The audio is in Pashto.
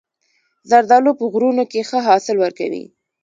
زردالو په غرونو کې ښه حاصل ورکوي.